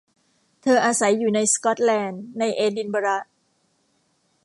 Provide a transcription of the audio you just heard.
เธออาศัยอยู่ในสก๊อตแลนด์ ในเอดินเบอระ